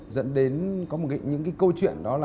dẫn đến có một những cái câu chuyện đó là